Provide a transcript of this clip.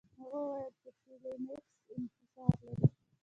هغوی وویل چې ټیلمکس انحصار لري.